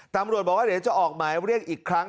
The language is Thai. ตำรวจบอกว่าเดี๋ยวจะออกหมายเรียกอีกครั้ง